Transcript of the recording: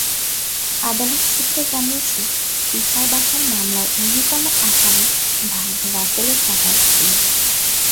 আদালত সূত্র জানিয়েছে, তিশার বাসায় মামলার অন্যতম আসামি ভাগনে রাসেলের যাতায়াত ছিল।